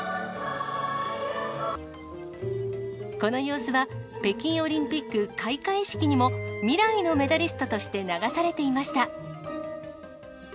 この様子は、北京オリンピック開会式にも、未来のメダリストとして流されていました。